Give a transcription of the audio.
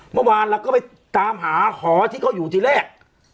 เมื่อวานเราก็ไปตามหาหอที่เขาอยู่ที่แรก